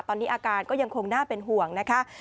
ตอนนี้อาการก็ยังคงน่าเป็นห่วงนะคะ